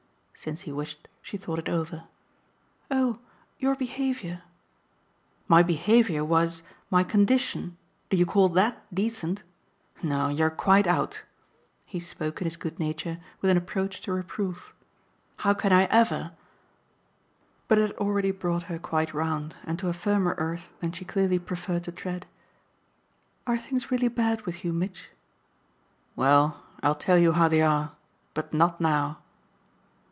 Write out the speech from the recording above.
Since he wished she thought it over. "Oh your behaviour !" "My behaviour was my condition. Do you call THAT decent? No, you're quite out." He spoke, in his good nature, with an approach to reproof. "How can I ever ?" But it had already brought her quite round, and to a firmer earth that she clearly preferred to tread. "Are things really bad with you, Mitch?" "Well, I'll tell you how they are. But not now."